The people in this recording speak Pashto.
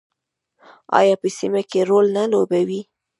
آیا په سیمه کې رول نه لوبوي؟